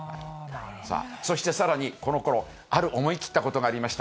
そしてさらに、このころ、ある思い切ったことがありました。